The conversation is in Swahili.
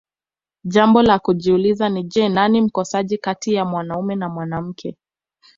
jambo la kujiuliza ni je nani mkosaji kati ya wanaume au wanawake